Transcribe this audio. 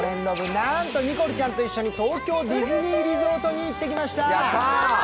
なんとニコルちゃんと一緒に東京ディズニーリゾートに行ってきました。